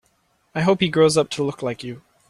I hope he grows up to look like you.